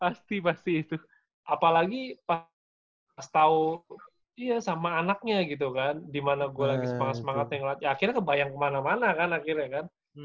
pasti pasti itu apalagi pas tau sama anaknya gitu kan dimana gue lagi semangat semangatnya ngelatih akhirnya kebayang kemana mana kan akhirnya kan